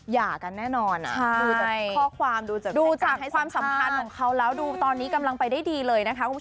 หย่ากันแน่นอนอ่ะดูจากข้อความให้สัมภาษณ์ดูจากความสัมภาษณ์ของเขาแล้วดูตอนนี้กำลังไปได้ดีเลยนะคะ